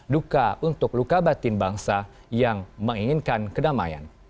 duka untuk luka batin bangsa yang menginginkan kedamaian